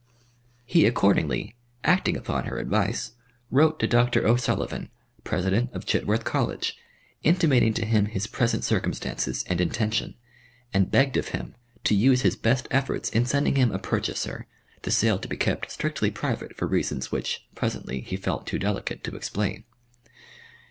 He accordingly, acting upon her advice, wrote to Doctor O'Sullivan, President of Chitworth College, intimating to him his present circumstances and intention, and begged of him to use his best efforts in sending him a purchaser, the sale to be kept strictly private for reasons which, presently, he felt too delicate to explain.